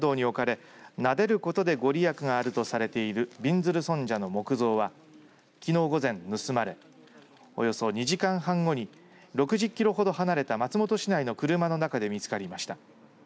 長野市の善光寺の本堂に置かれなでることで御利益があるとされているびんずる尊者の木像はきのう午前盗まれおよそ２時間半後に６０キロほど離れた松本市内の車の中で見つかりました。